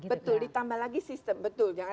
betul ditambah lagi sistem betul